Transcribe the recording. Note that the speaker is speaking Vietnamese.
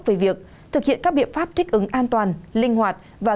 về việc thực hiện các biện pháp thích ứng an toàn linh hoạt và kiên trọng